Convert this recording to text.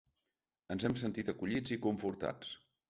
Ens hem sentit acollits i confortats.